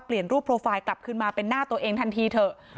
เปลี่ยนรูปโปรไฟล์กลับขึ้นมาเป็นหน้าตัวเองทันทีเถอะครับ